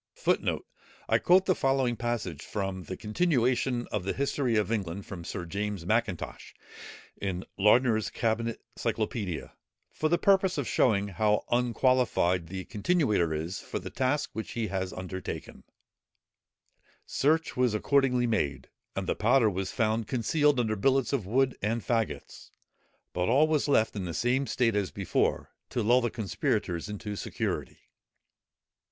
[Footnote 14: I quote the following passage from The Continuation of the History of England from Sir James Mackintosh, in Lardner's Cabinet Cyclopædia, for the purpose of showing how unqualified the continuator is for the task which he has undertaken: "Search was accordingly made, and the powder was found concealed under billets of wood, and fagots: but all was left in the same state as before, to lull the conspirators into security."